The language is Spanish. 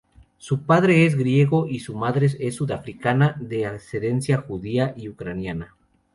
Su padre es griego y su madre es sudafricana, de ascendencia judía y ucraniana.